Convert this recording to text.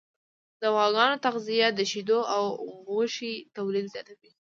د غواګانو تغذیه د شیدو او غوښې تولید زیاتوي.